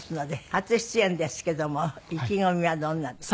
初出演ですけども意気込みはどんなで？